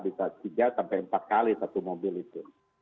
ditambah bisa tiga empat kali satu mobil itu